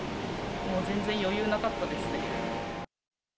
全然余裕なかったですね。